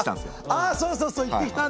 あそうそうそう行ってきたんですよ！